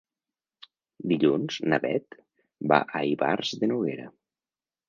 Dilluns na Beth va a Ivars de Noguera.